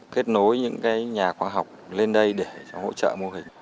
kết nối những nhà khoa học lên đây để hỗ trợ mô hình